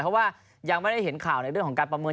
เพราะว่ายังไม่ได้เห็นข่าวในเรื่องของการประเมิน